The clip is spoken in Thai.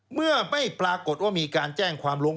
เมื่อไม่ปรากฏว่ามีการแจ้งความลง